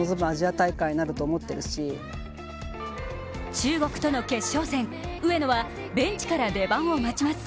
中国との決勝戦、上野はベンチから出番を待ちます。